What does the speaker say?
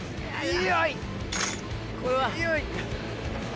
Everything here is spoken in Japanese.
はい。